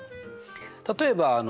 例えばあ！